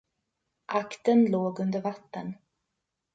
Aktern låg under vatten.